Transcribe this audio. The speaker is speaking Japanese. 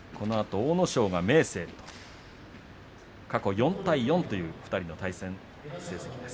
阿武咲が明生と過去４対４という２人の対戦成績です。